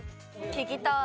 聴きたい。